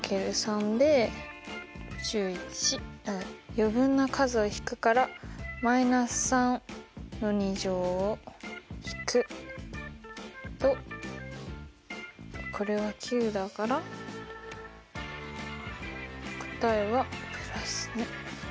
余分な数を引くから−３の２乗を引くとこれは９だから答えは＋２。